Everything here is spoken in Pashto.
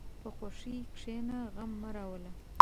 په خوښۍ کښېنه، غم مه راوله.